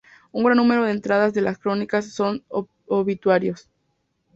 Un gran número de entradas de las crónicas son obituarios.